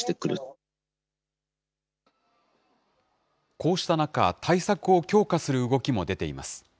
こうした中、対策を強化する動きも出ています。